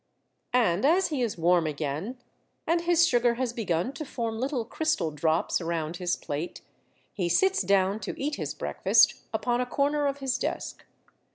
And as he is warm again, and his sugar has begun to form little crystal drops around his plate, he sits down to eat his breakfast upon a corner of his desk.